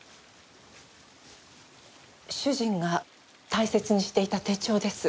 主人が大切にしていた手帳です。